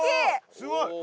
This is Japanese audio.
すごい！